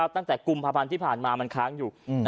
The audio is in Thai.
ตั้งแต่กุมภาพันธ์ที่ผ่านมามันค้างอยู่